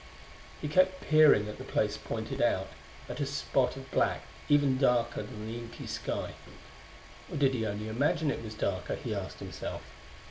He kept peering at the place pointed out, at a spot of black even darker than the inky sky; or did he only imagine it was darker? he asked himself.